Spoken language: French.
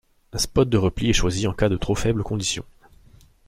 Un spot de repli est choisi en cas de trop faibles conditions.